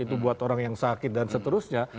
itu buat orang yang sakit dan seterusnya